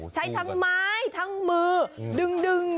ใช้ทั้งไม้ทั้งมือดึง